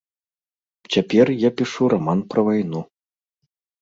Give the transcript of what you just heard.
Цяпер я пішу раман пра вайну.